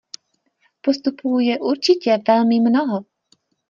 Postupů je určitě velmi mnoho.